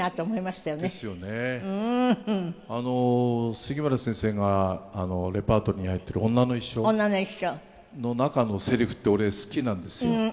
杉村先生がレパートリーに入っている『女の一生』の中のセリフって俺好きなんですよ。